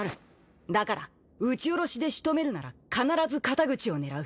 だから打ちおろしで仕留めるなら必ず肩口を狙う。